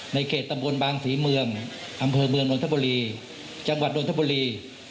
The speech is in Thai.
เขตตำบลบางศรีเมืองอำเภอเมืองนนทบุรีจังหวัดนทบุรี